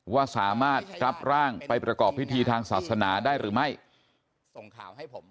ว่าสามารถรับร่างไปประกอบพิธีทางศาสนาได้หรือไม่